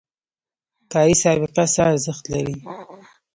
کاري سابقه څه ارزښت لري؟